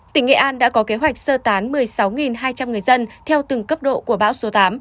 tỉnh nghệ an đã có kế hoạch sơ tán một mươi sáu hai trăm linh người dân theo từng cấp độ của bão số tám